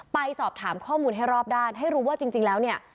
ไปสอบถามข้อมูลให้รอบด้านให้รู้ว่าจริงแล้วเนี่ย